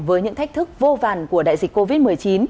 với những thách thức vô vàn của đại dịch covid một mươi chín